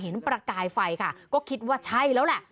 ประกายไฟค่ะก็คิดว่าใช่แล้วแหละ